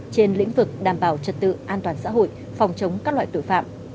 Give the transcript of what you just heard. trên lĩnh vực đảm bảo trật tự an toàn xã hội phòng chống các loại tội phạm